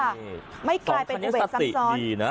วัคสะมพิสัสดีไม่ได้เป็นอุบัติเหตุซ้ำซ้อน